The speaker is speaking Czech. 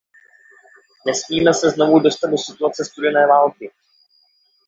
Nesmíme se znovu dostat do situace studené války.